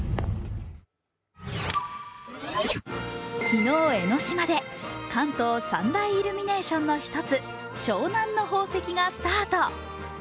昨日、江の島で関東三大イルミネーションの一つ、湘南の宝石がスタート。